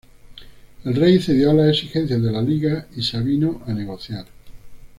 El rey cedió a las exigencias de la Liga y se avino a negociar.